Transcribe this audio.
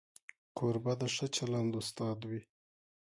کوربه د ښه چلند استاد وي.